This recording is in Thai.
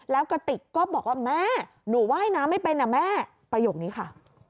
แล้วกระติกก็บอกว่าแม่หนูว่ายน้ำไม่เป็นนะแม่ประโยคนี้ค่ะ